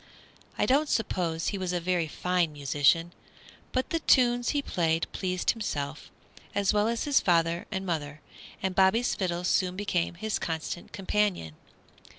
I don't suppose he was a very fine musician, but the tunes he played pleased himself, as well as his father and mother, and Bobby's fiddle soon became his constant companion.